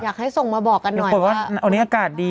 อยากให้ส่งมาบอกกันหน่อย